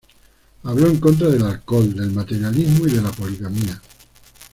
Habló en contra del alcohol, del materialismo y de la poligamia.